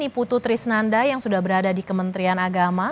putu trisnanda yang sudah berada di kementerian agama